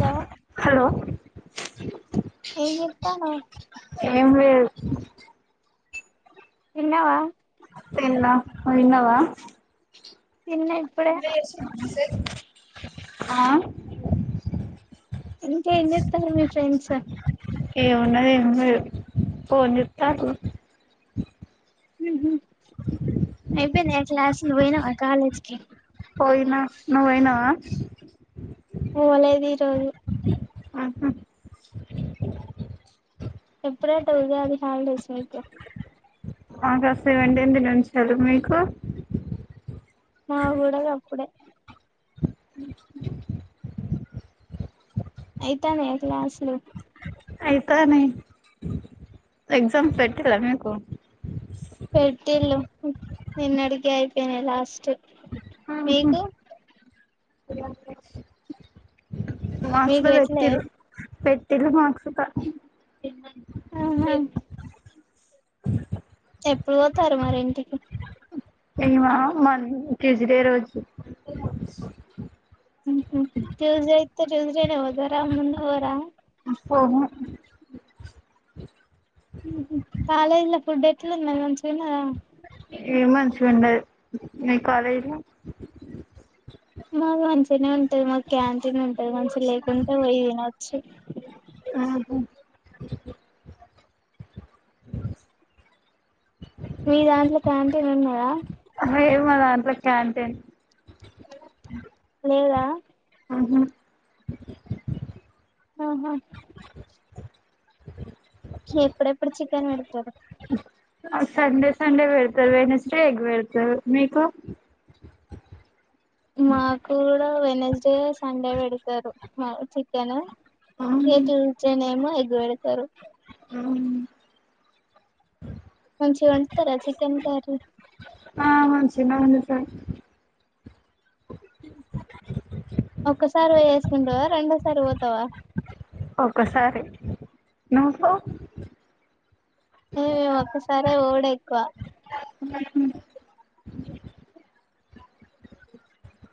స హలో ఏం చెప్తాను ఏం లేదు తిన్నావా తిన్న పోయినవా తిన్నె ఇప్పుడే [unintelligible] ఆ ఇంకేం చెస్తారు మీ ఫ్రెండ్స్ ఏ ఉన్నది ఉన్నది ఫోన్ చెత్త ఉహు అయిపోయినాయ క్లాస్లు పోయినాయ కాలేజీ కి పోయినా నువ్వు పోయినవా ఓ ఇవ్వలేదు ఈరోజు ఆహా ఎప్పుడట ఇయ్యాల హాలిడేస్ మీకు మాక సెవెంటీత్ నుంచి ఇచ్చారు మీకు మాకూడా గప్పుడే అయితానాయ క్లాసులు అయితాయని ఎగ్జామ్స్ పెట్టలా మీకు. పెడ్టిలు నిన్నడికి అయిపోయినయి లాస్ట్ ఆహా మీకు మార్చ్ మీకు లో పెట్లే పెట్టిరు పెట్ తెలుగు మార్క్స్ కా ఆహ ఎప్పుడు పోతారు మరి ఇంటికి. ఏమొ మన ట్యూస్డే రోజు ట్యూస్డే ఇతే ట్యూస్డేనే పోతరా ముందు పోరా. పోము కాాలేజ్ల ఫుడ్ ఎట్లుంది మంచిగుందా. ఏం మంచిగుండదు, మీ కాలేజ్లో మాక్ మంచిగ్నే ఉంటది మాక్ క్యాంటీన్ ఉన్ ఈ మనిషి లేకుంటే పోయి ఇనొచ్చు. ఆహు మీ దాంట్లో క్యాంటీన్ ఉన్న హలో లేదు. మాదంట్లో క్యాంటీన్ ఈగ హు హు ఆహా చీ ఎప్పుడేప్పుడు చికెన్ పెడుతరు సండే సండే పెడతరు. వెడ్నెస్డే ఎగ్ పెడతారు మీకు. మాక్కూడా వెనస్డే సండే వెడుతరు వావ్ చికెను ఏతూచేనేమో [inaudible] ఎగ్ [inaudible] ఆమ్ మంచిగ వండుతర చికెన్ కర్రీ మంచిగనే ఉంది ఆ ఒక్కసారి వేసేస్కుంటావా రెండోసారి పోతావా ఒక్కసారి నువ్వు ఏయ్ ఒక్కసారే పోవుడే ఎక్కువ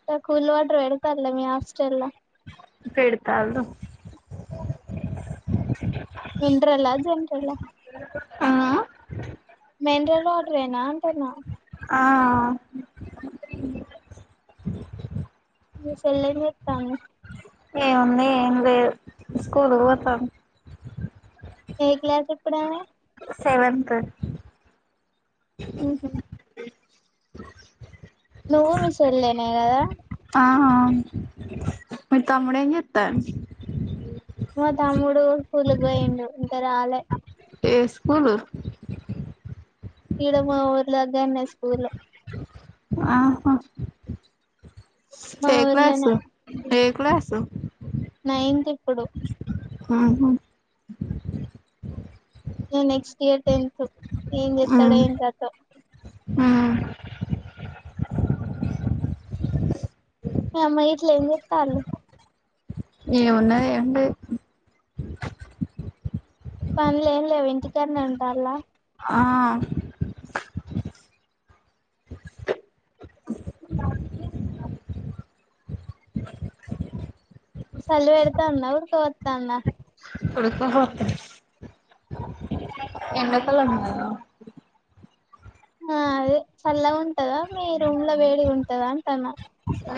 ఇంక కూల్ వాటర్ వెడ్తన్ల మీ హాస్టల్ల పెడతాన్లు మిన్రలా జన్రల ఆ మినరల్ వాటరేన అంటన్న ఆ ఆ ఆ మీ చెల్లెం చేతంది ఏముంది ఎంలేదు స్కూల్ కు పోతాంది ఏ క్లాస్ ఇప్పుడమే సేవంత్ ఊహు నువ్వు మీ సేల్లెన్ నే కదా ఆహా మీ తమ్ముడేం చేత్తాడ్ మా తమ్ముడు స్కూలుకు పోయిండు ఇంకా రాలే ఏ స్కూలు ఇడ మా ఊర్లో దగ్గర్నే స్కూలు ఆహా మా ఏ ఊర్లోనే క్లాసు ఏ క్లాసు నైన్త్ ఇప్పుడు ఆహా ఇగ నెక్స్ట్ ఇయర్ టెన్త్ ఏం చేత్తడో ఏం కథో ఆ మీ అమ్మ గిట్ల ఏం చెత్తాన్లు ఏం ఉన్నది ఏం లేదు, పనులు ఏం లేవా ఇంటికాడ్నే ఉంటన్ల ఆ సలి వేడుతందా ఉడక పోత్తందా ఉడక పోత్త ఎండ కాలం కదా ఆ అదే చల్లగ ఉంటదా మీ రూమ్ లో వేడి గా ఉంటదా అంటన్నా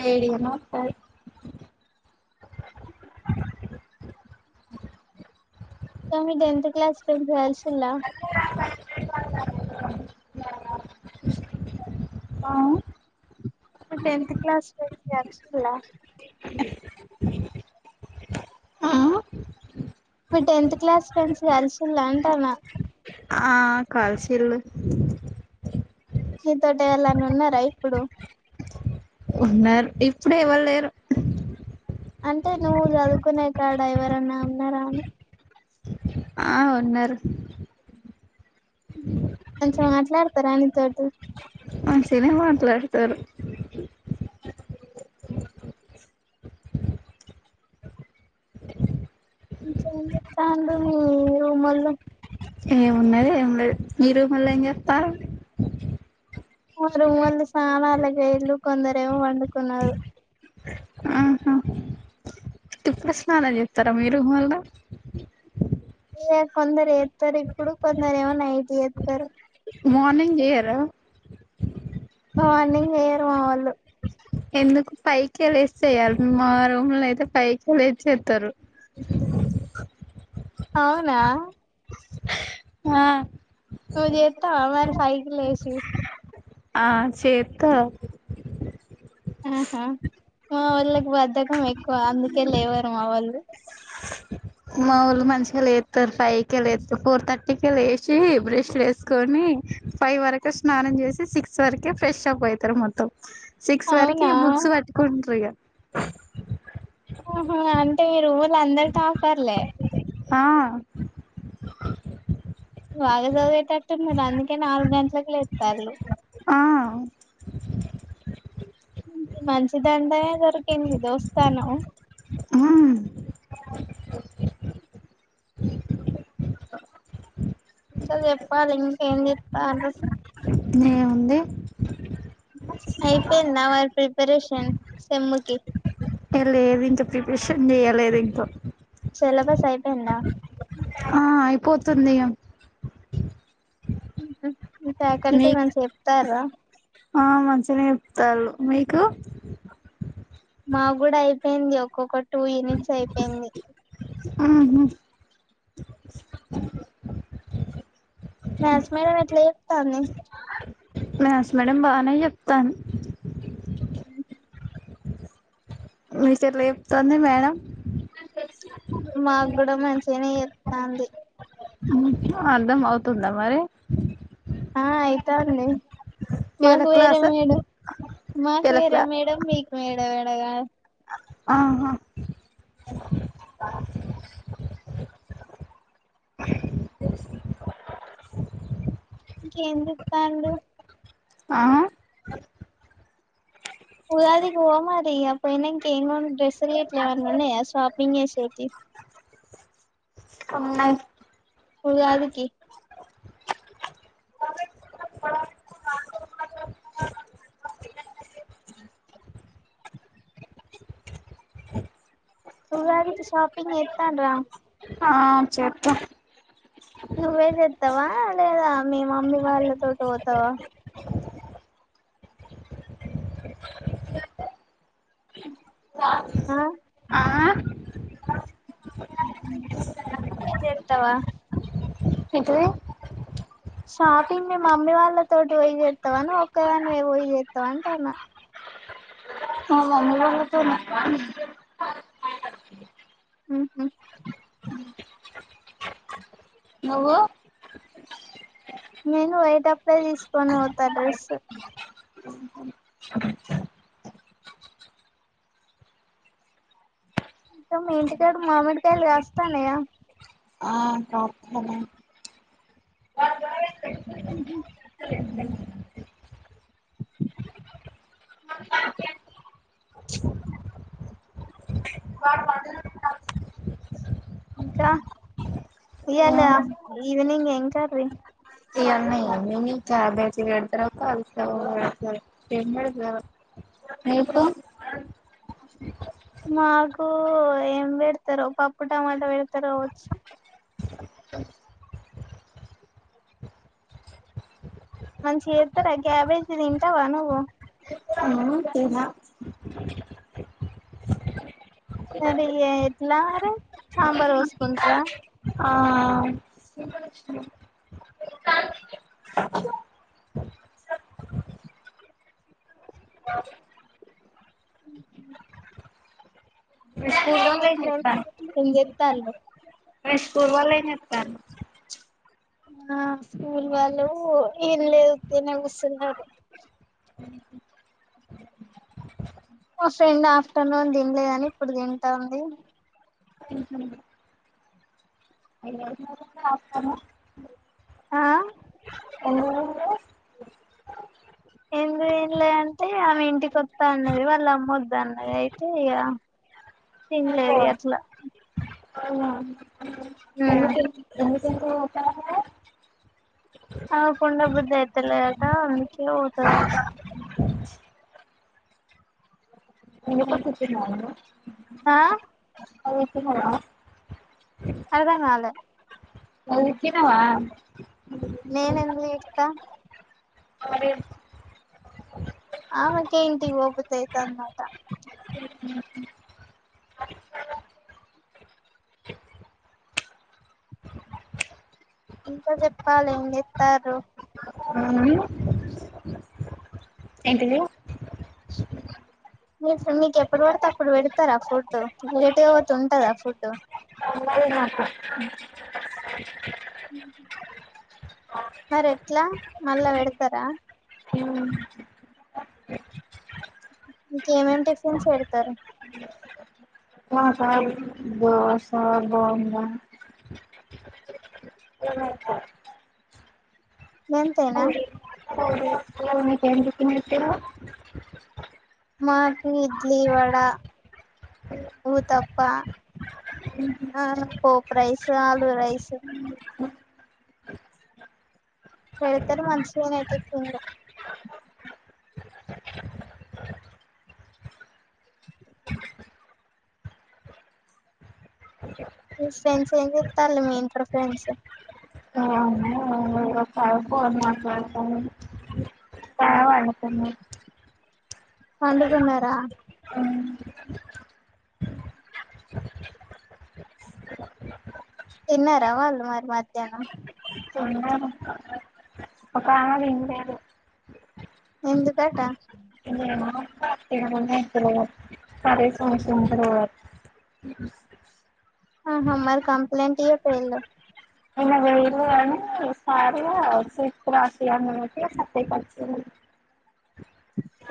వేడిగానే ఉంటది ఇంకా మీ టెన్త్ క్లాస్ ఫ్రెండ్స్ కలిస్లిలా మీ టెన్త్ క్లాస్ ఫ్రెండ్స్ కలిసిలా ఆ మీ టెన్త్ క్లాస్ ఫ్రెండ్స్ కలిసిలా అంటన ఆ కలిసిలు నీతోటి ఎవళ్ళన్నా ఉన్నారా ఇప్పుడు ఉన్నారు ఇప్పుడు ఎవ్వలు లేరు అంటే నువ్వు చదువుకునే కాడా ఎవరాన్నా ఉన్నారా అని ఆ ఉన్నారు మంచిగా మాట్లాడతారా నీతోటి మంచిగనే మాట్లాడుతారు ఇంకా ఎమ్ చేతండ్రు మీ రూమొళ్ళు ఏమున్నది ఏం లేదు మీ రూమోళ్ళు ఏం చెత్తారు మా రూమ్ వోల్లు స్నానలకు వొయేలు కొందరేమో పడుకున్నారు ఆహా ఇప్పుడు స్నానం చేత్తరా మీ రూమోళ్ళు ఇగ కొందరు ఏత్తారు ఇప్పుడు కొందరేమో నైట్ చెత్తారు మార్నింగ్ జెయ్యరా మార్నింగ్ జెయ్యరు మా వోల్లు ఎందుకు ఫైవ్ కే లేసి చెయ్యాలి మా రూమ్ లా అయితే ఫైవ్ కే లేసి చేత్తరు అవునా ఆ నువ్వు చేత్తావా మరి ఫైవ్ కి లేసి ఆ చేత్త ఆహా మా వొళ్ళ కి బద్దకం ఎక్కువ అందుకే లేవరు మా వోల్లు మా వోళ్ళు మంచిగా లేత్తారు ఫైవ్ కే లేత్తారు ఫోర్ థర్టీకే లేచి బ్రష్ లు వేసుకొని ఫైవ్ వరకు స్నానం చేసి సిక్స్ వరకే ఫ్రెష్ అప్ అయితారు మొత్తం సిక్స్ వరకు అవునా బుక్స్ పట్టుకుంటరు ఇగ ఆహ అంటే మీ రూమొళ్ళు అందరూ టాపర్లే ఆ ఎంతకు లేత్తరు ఆ ఇ మంచిదండే దొరికింది దోస్తాను ఆ చల్ ఏప్పాలి ఇంకేం చేత్తరు ఏం ఉంది అయిపోయిందా వాళ్ల ప్రిపరేషన్ సేమ్ కి ఏ లేదు ఇంకా ప్రిపరేషన్ చెయలేదు ఇంకా సెలబస్ అయిపోయిందా ఆ అయిపోతుంది ఇగా ఇ మీ ఫ్యాకల్టీ మీకు ఏమైనా చెప్తారా ఆ మంచిగా నే చెప్తారు మీకు మా గూడా అయిపోయింది ఒక్కొక్క టూ యూనిట్స్ అయిపోయింది హు హు మాథ్స్ మేడం ఎట్లా చెప్తాంది మాథ్స్ మేడం బానే చెప్తాంది ఆ మిస్ ఎట్లా చెప్తాంది మేడం మా గూడ మాథ్స్ సిన చెప్తాంది హు అర్థమవుతుందా మరి ఆ అయితాంది ఇవాళ మాకు వేరే క్లాస్ మేడం మాకు ఇవాళ వేరే క్లా మేడం మీకు వే ఎ వేడగా ఆహా ఇంకేం చెప్తాండు ఆ ఉగాదికి పోమరి పోయినంక ఎ డ్రెస్‌లు గిట్లా ఏవన్నా ఉన్నాయా షాపింగ్ చేసేటివి ఉన్నాయి ఉగాదికి ఉగాదికి షాపింగ్ చేస్తాండ్రా ఆ చెప్పు నువ్వే చెప్తావా లేదా మీ మమ్మీ వాళ్లతోటి పోతావా అ ఆ అన్ని చేస్తావా ఇప్పుడే షాపింగ్ మీ మమ్మీ వాళ్లతోటి పోయి చేస్తావా నువ్వు ఒక్కదానివే పోయి చేస్తావా అంటన్నా మా [unintelligible] ఊహు నువ్వు నేను పోయేటప్పుడే తీసుకొని పోతా డ్రెస్ ఇకా మీ ఇంటికాడ మామిడికాయలు కాస్త నాయ ఆ కాపుతనే అ ఏమో ఇంకా ఈయాల ఈవినింగ్ ఏం కర్రీ ఇ అన్న [unintelligible] ఎన్ని క్యాబేజ్ [unintelligible] మాకు ఏం పెడతారో పప్పు టమాటా పెడతారో వచ్చు మంచిగా చేరుతారా గ్యాబేజ్ తింటావా నువ్వు కేనా నరి ఇట్లా మరే సాంబార్ వోస్త ఆ ఆ మీ స్కూల్ ఫ్రం మీ వాళ్ళు ఏం చెప్తారు ఫ్రెండ్స్ [unintelligible] [unintelligible] నేను స్కూల్‌కి పోవాల [unintelligible] ఆ స్కూల్ వాళ్ళు ఏం లేదు తనే కూస్తున్నారు మా ఫ్రెండ్ ఆఫ్టర్నూన్ తిినలే అని ఇప్పుడు తింటా ఉంది అూ రాను ఆ ఎందుకు తన్లే అంటే ఆమె ఇంటికి వస్తా అన్నది వాళ్ళు అమ్మొద్ద అన్నది అయితే ఇక తన్లేదు అట్లా హ ఏ క ఆ కుండబుద్ధ అయితుల ఆట అందుకతుంది మ ఆ అతే హ అర్ధం కాల అచ్చినవా నేనంద త్త అరె ఆ మక ఇంటింకి వోతయిత అన్నమాట ఇంకా చెప్పాలి ఏం చెస్తారు మ్మ్ ఎంటి మీ నీకు ఎప్పుడు పడితే అప్పుడు పెడతారా ఫుడ్ లేటుగా పోత ఉంటదా ఫుడ్డు అే నాకు మరి ఎట్లా మళ్ళా పెడతారా మ్మ్ ఇంకేమేమి టిఫిన్స్ పెడతారు దోశ బోండా గంతెన కేంకి నతు మాకు ఇడ్లీ వడ ఊతప్ప ఆ పోపు రైస్ ఆలుూ రైస్ పెడతారు మంచిగానే టిఫిన్లు మీ ఫ్రెండ్స్ ఏం చెస్తాల మీ ఇంటర్ ఫ్రెండ్స్ అ మా కా వాళన్నా పండుకున్నారా తిన్నారా వాళ్ళ మరి మధ్యాహ్నం తిన్నారు ఒక ఆమె తినలేదు ఎందు కట సరే స స జరు మ కంప్లంట్ ఇయ పలో సార శప్పు అస సఫ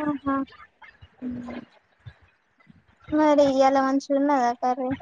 ఆహా ఉ మరి ఎలా మంచిగా ఉన్నదా కర్రీ